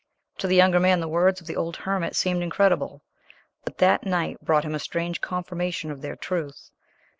To the younger man the words of the old hermit seemed incredible, but that night brought him a strange confirmation of their truth.